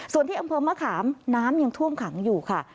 ส่วนที่อำเภอมะขามน้ำยังท่วมขังอยู่ค่ะ